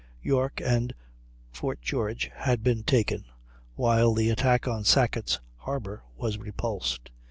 York and Fort George had been taken, while the attack on Sackett's Harbor was repulsed.